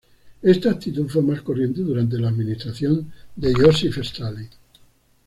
Esta actitud fue más corriente durante la administración de Iósif Stalin.